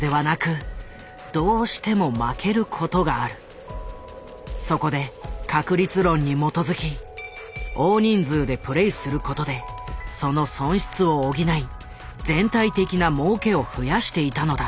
実はそこで確率論に基づき大人数でプレイすることでその損失を補い全体的なもうけを増やしていたのだ。